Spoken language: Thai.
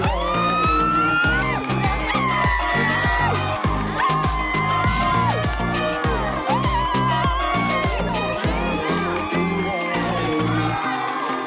โอ้มายก๊อด